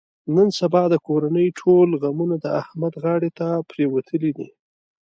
نن سبا د کورنۍ ټول غمونه د احمد غاړې ته پرېوتلي دي.